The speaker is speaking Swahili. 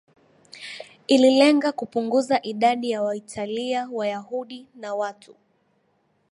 ililenga kupunguza idadi ya Waitalia Wayahudi na watu